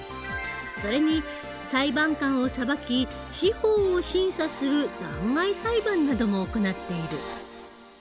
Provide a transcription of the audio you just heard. それに裁判官を裁き司法を審査する弾劾裁判なども行っている。